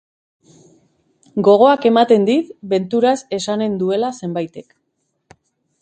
Gogoak ematen dit, benturaz esanen duela zenbaitek